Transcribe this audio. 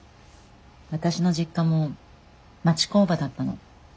私の実家も町工場だったの。